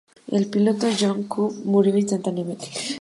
El piloto, John Cobb, murió instantáneamente.